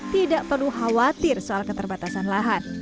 tidak perlu khawatir soal keterbatasan lahan